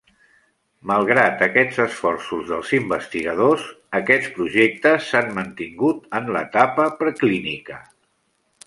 Malgrat aquests esforços dels investigadors, aquests projectes s'han mantingut en l'etapa preclínica.